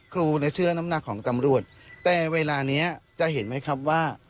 ครูเนี่ยเชื่อน้ำหนักของตำรวจแต่เวลานี้จะเห็นไหมครับว่า